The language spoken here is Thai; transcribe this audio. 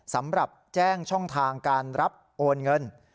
สำหรับแจ้งช่องทางการรับโอนเงิน